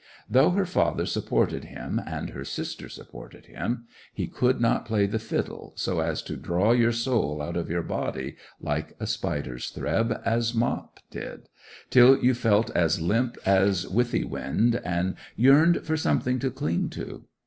Though her father supported him and her sister supported him, he could not play the fiddle so as to draw your soul out of your body like a spider's thread, as Mop did, till you felt as limp as withy wind and yearned for something to cling to.